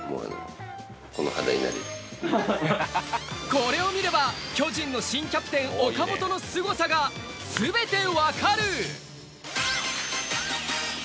これを見れば、巨人の新キャプテン・岡本のすごさが全て分かる！